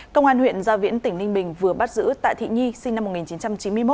công an huyện gia viễn tỉnh ninh bình vừa bắt giữ tạ thị nhi sinh năm một nghìn chín trăm chín mươi một